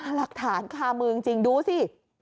หลักฐานคามือจริงดูสิ